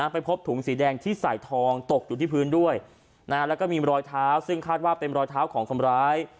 ไปพบถุงสีแดงที่ใส่ทองตกอยู่ที่พื้นด้วยแล้วก็มีรอยเท้าซึ่งคาดว่าเป็นรอยเท้าของคนร้าย